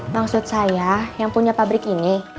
maksud saya yang punya pabrik ini